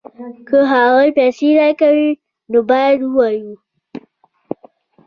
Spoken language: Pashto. که هغوی پیسې راکوي نو باید ووایو